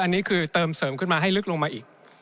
อันนี้คือเติมเสริมขึ้นมาให้ลึกลงมาอีก